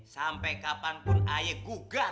sampe kapanpun ayah gugat